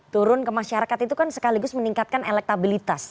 turun ke masyarakat itu kan sekaligus meningkatkan elektabilitas